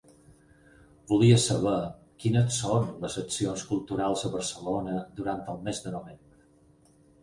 Volia saber quines son les accions culturals a Barcelona durant el mes de novembre.